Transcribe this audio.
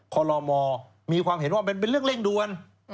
คอลโลมมีความเห็นว่ามันเป็นเรื่องเร่งด่วน